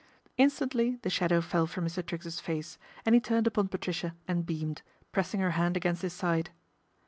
Instantly th j shadow fell from Mr. Triggs's face and he turned upon Patricia and beamed, pressing her hand against his side.